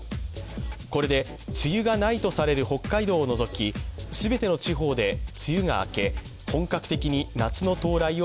これで梅雨がないとされる北海道を除き全ての地方で梅雨が明け、本格的に夏の到来を